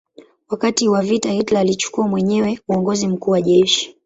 Wakati wa vita Hitler alichukua mwenyewe uongozi mkuu wa jeshi.